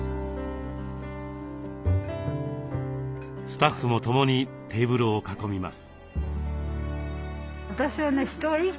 スタッフも共にテーブルを囲みます。